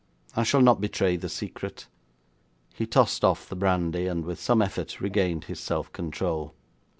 I shall not betray the secret.' He tossed off the brandy, and with some effort regained his self control.